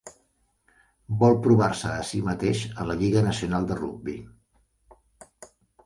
Vol provar-se a sí mateix a la lliga nacional de rugbi.